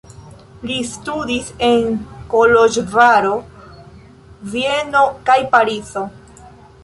Li studis en Koloĵvaro, Vieno kaj Parizo.